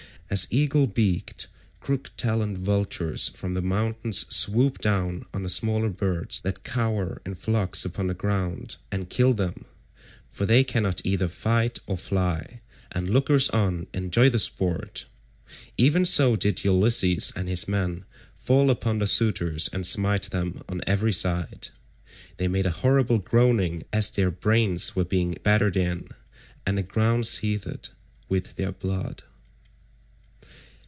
As eagle beaked, crook taloned vultures from the mountains swoop down on the smaller birds that cower in flocks upon the ground, and kill them, for they cannot either fight or fly, and lookers on enjoy the sport—even so did Ulysses and his men fall upon the suitors and smite them on every side. They made a horrible groaning as their brains were being battered in, and the ground seethed with their blood.